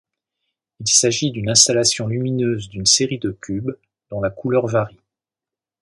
Il s'agit d'une installation lumineuse d'une série de cubes dont la couleur varie.